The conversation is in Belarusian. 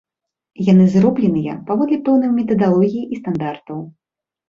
Яны зробленыя паводле пэўнай метадалогіі і стандартаў.